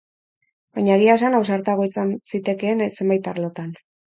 Baina egia esan, ausartago izan zitekeen zenbait arlotan.